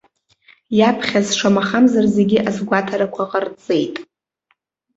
Иаԥхьаз, шамахамзар, зегьы азгәаҭарақәа ҟарҵеит.